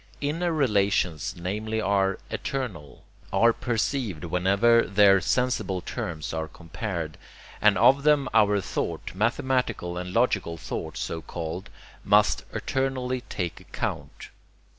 Inner relations namely are 'eternal,' are perceived whenever their sensible terms are compared; and of them our thought mathematical and logical thought, so called must eternally take account.